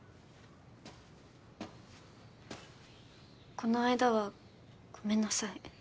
・この間はごめんなさい。